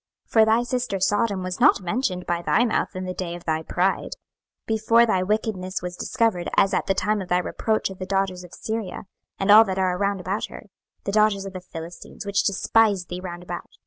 26:016:056 For thy sister Sodom was not mentioned by thy mouth in the day of thy pride, 26:016:057 Before thy wickedness was discovered, as at the time of thy reproach of the daughters of Syria, and all that are round about her, the daughters of the Philistines, which despise thee round about.